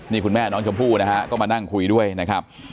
นี่คุณแม่น้องชมพู่นะฮะก็มานั่งคุยด้วยนะครับ